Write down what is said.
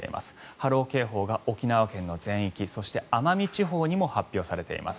波浪警報が沖縄県の全域奄美地方にも発表されています。